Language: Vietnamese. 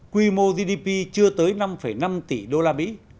quy mô gdp chưa tới năm năm tỷ usd